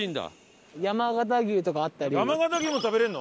山形牛も食べられるの？